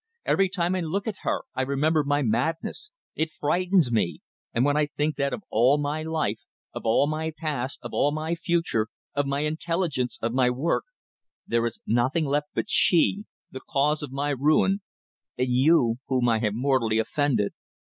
Every time I look at her I remember my madness. It frightens me. ... And when I think that of all my life, of all my past, of all my future, of my intelligence, of my work, there is nothing left but she, the cause of my ruin, and you whom I have mortally offended